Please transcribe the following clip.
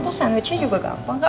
terus sandwich nya juga gampang